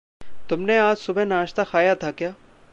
तुमने आज सुबह नाश्ता खाया था क्या?